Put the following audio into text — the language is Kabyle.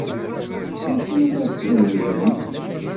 D acu ay la tlemmdemt?